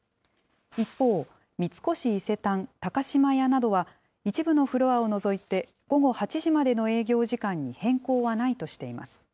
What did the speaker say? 一方、三越伊勢丹、高島屋などは、一部のフロアを除いて午後８時までの営業時間に変更はないとしています。